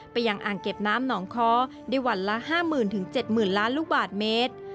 ยังอ่างเก็บน้ำหนองค้อได้วันละ๕๐๐๐๗๐๐ล้านลูกบาทเมตร